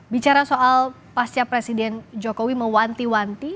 bicara soal pasca presiden jokowi mewanti wanti